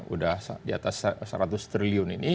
udah diatas seratus triliun ini